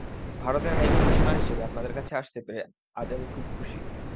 ভারতের হাইকমিশনার হিসেবে আপনাদের কাছে আসতে পেরে আজ আমি খুব খুশি।